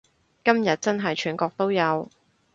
今日真係全國都有